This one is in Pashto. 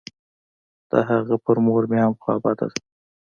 د هغه په مور مې هم خوا بده وه.